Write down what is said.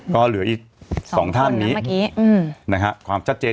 ก็เหลืออีก๒ท่านนี้ความชัดเจน